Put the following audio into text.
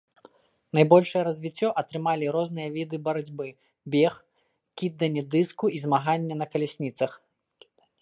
Найбольшае развіццё атрымалі розныя віда барацьбы, бег, кіданне дыску і змаганне на калясніцах.